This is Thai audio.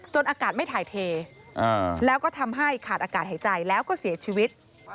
อากาศไม่ถ่ายเทแล้วก็ทำให้ขาดอากาศหายใจแล้วก็เสียชีวิต